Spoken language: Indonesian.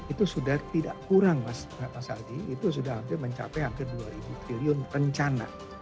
itu sudah tidak kurang mas aldi itu sudah hampir mencapai hampir dua triliun rencana